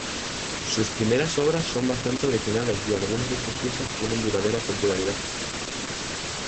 Sus primeras obras son bastante originales y algunas de sus piezas tienen duradera popularidad.